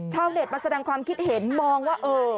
ชาวเน็ตมาแสดงความคิดเห็นมองว่าเออ